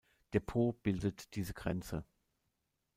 Der Po bildete diese Grenze.